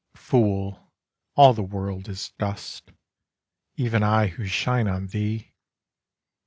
'Fool, all the world is dust; Even I who shine on thee.